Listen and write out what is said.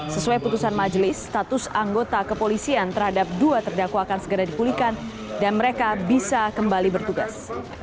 sesuai putusan majelis status anggota kepolisian terhadap dua terdakwa akan segera dipulihkan dan mereka bisa kembali bertugas